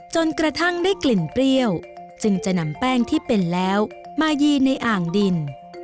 จนกระทั่งได้กลิ่นเปรี้ยวจึงจะนำแป้งที่เป็นแล้วมายีในอ่างดิน